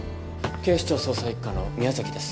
警視庁捜査一課の宮崎です